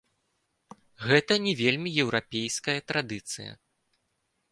Гэта не вельмі еўрапейская традыцыя.